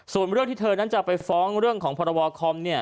ส่วนเรื่องที่เธอนั้นจะไปฟ้องเรื่องของพรบคอมเนี่ย